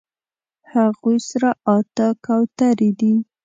هغوی سره اتۀ کوترې دي